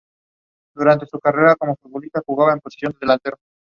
It is known externally as England Weight Lifting and internally as the England group.